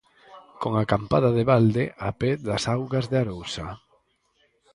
Con acampada de balde a pé das augas de Arousa.